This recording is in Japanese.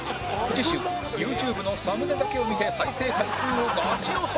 次週 ＹｏｕＴｕｂｅ のサムネだけを見て再生回数をガチ予想！